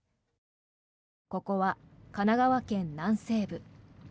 ここは神奈川県南西部。